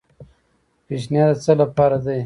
پیشنھاد د څه لپاره دی؟